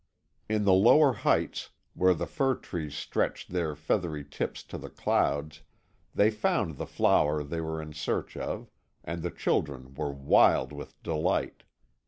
In the lower heights, where the fir trees stretched their feathery tips to the clouds, they found the flower they were in search of, and the children were wild with delight.